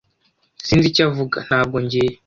Sinzi icyo avuga. Ntabwo ngiye.